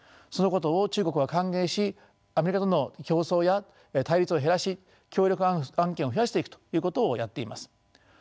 そのことを中国は歓迎しアメリカとの競争や対立を減らし協力案件を増やしていくということをやっています。